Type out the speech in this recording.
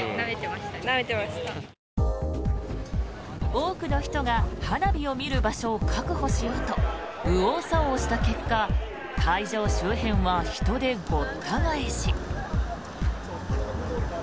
多くの人が花火を見る場所を確保しようと右往左往した結果会場周辺は人でごった返し。